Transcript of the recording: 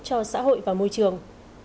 cho xã hội và môi trường